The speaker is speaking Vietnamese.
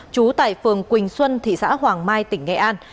trú tại phường quỳnh xuân thị xã hoàng mai tỉnh nghệ an